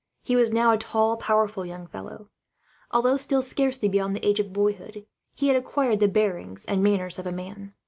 He was now a tall, powerful young fellow. Although still scarcely beyond the age of boyhood, he had acquired the bearing and manners of a man.